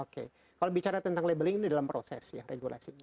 kalau bicara tentang labeling ini dalam proses ya regulasi